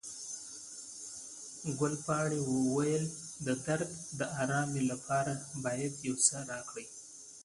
ګلپاڼې وویل، د درد د آرامي لپاره باید یو څه راکړئ.